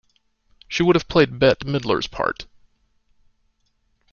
She would have played Bette Midler's part.